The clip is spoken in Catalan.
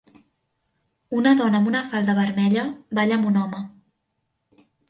Una dona amb una falda vermella balla amb un home